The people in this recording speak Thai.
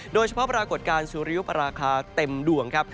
ปรากฏการณ์สุริยุปราคาเต็มดวงครับ